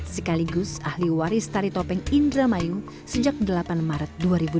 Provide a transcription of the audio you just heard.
sekaligus ahli waris tari topeng indramayu sejak delapan maret dua ribu dua puluh